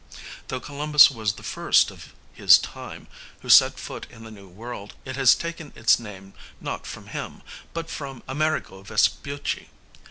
Though Columbus was the first of his time who set foot in the New World, it has taken its name not from him, but from Amerigo Vespucci.